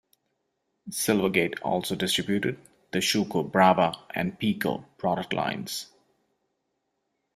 Silvergate also distributed the Schuco, Brawa, and Piko product lines.